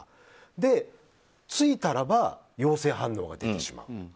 で、着いたら陽性反応が出てしまう。